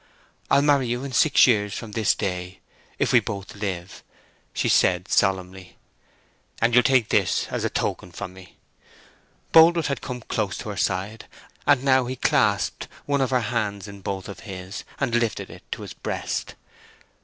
I'll marry you in six years from this day, if we both live," she said solemnly. "And you'll take this as a token from me." Boldwood had come close to her side, and now he clasped one of her hands in both his own, and lifted it to his breast.